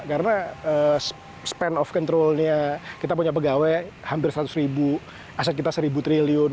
karena span of controlnya kita punya pegawai hampir seratus ribu aset kita seribu triliun